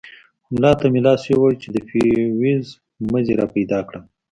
ملا ته مې لاس يووړ چې د فيوز مزي راپيدا کړم.